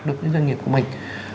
được doanh nghiệp của mình